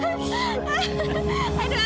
sampai jumpa lagi